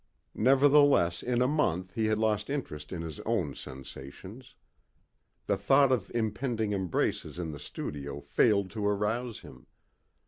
Nevertheless in a month he had lost interest in his own sensations. The thought of impending embraces in the studio failed to arouse him....